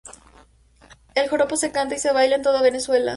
El joropo se canta y se baila en toda Venezuela.